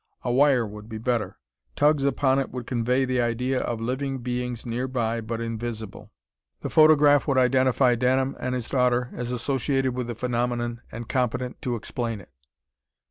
A wire would be better. Tugs upon it would convey the idea of living beings nearby but invisible. The photograph would identify Denham and his daughter as associated with the phenomenon and competent to explain it....